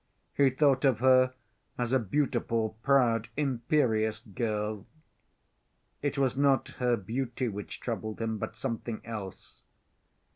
He thought of her as a beautiful, proud, imperious girl. It was not her beauty which troubled him, but something else.